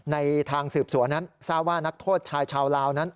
ในทางสืบสวนนั้นทราบว่านักโทษชายชาวลาวนั้น